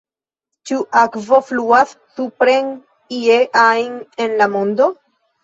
Ĉu akvo fluas supren ie ajn en la mondo?